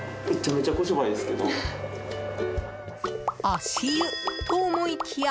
足湯と思いきや